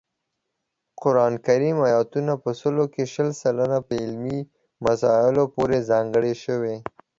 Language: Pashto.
قران کریم آیاتونه په سلو کې شل سلنه په علمي مسایلو پورې ځانګړي شوي